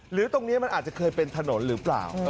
หรือตรงนี้มันอาจจะเคยเป็นถนนหรือเปล่า